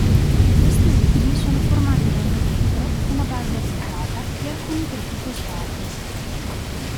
Questi ultimi sono formati da uno zucchero, una base azotata e alcuni gruppi fosfati.